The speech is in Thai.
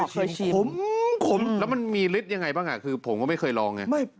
เคยชิมขมแล้วมันมีฤทธิ์ยังไงบ้างคือผมก็ไม่เคยลองไง